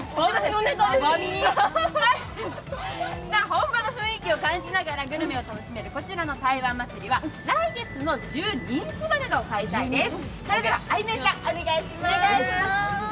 本場の雰囲気を感じながらグルメを楽しめるこちらの台湾は来月の１２日までの開催です。